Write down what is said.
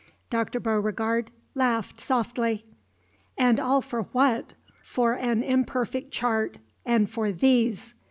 Dr. Beauregard laughed softly. "And all for what? For an imperfect chart and for _these!